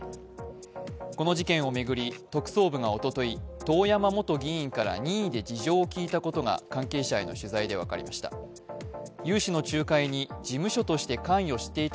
この事件を巡り、特捜部がおととい遠山元議員から任意で事情を聴いたことが関係者への取材で分かりました。